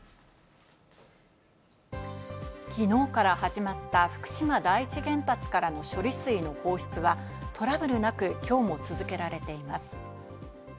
きのうから始まった福島第一原発からの処理水の放出はトラブルなく、きょうも続けられています。